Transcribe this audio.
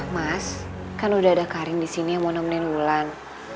mas kan udah ada karing di sini yang mau nemenin wulan